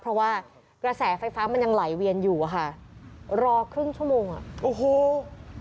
เพราะว่ากระแสไฟฟ้ามันยังไหลเวียนอยู่อะค่ะรอครึ่งชั่วโมงอ่ะโอ้โห